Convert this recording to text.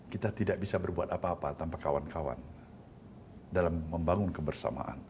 kita tidak bisa berbuat apa apa tanpa kawan kawan dalam membangun kebersamaan